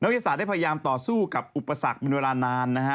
วิทยาศาสตร์ได้พยายามต่อสู้กับอุปสรรคเป็นเวลานานนะฮะ